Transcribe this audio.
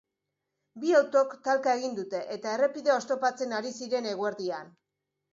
Bi autok talka egin dute, eta errepidea oztopatzen ari ziren eguerdian.